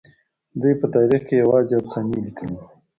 دوی په تاريخ کې يوازې افسانې ليکلي دي.